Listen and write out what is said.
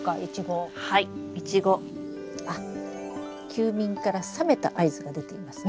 休眠から覚めた合図が出ていますね。